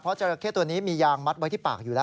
จราเข้ตัวนี้มียางมัดไว้ที่ปากอยู่แล้ว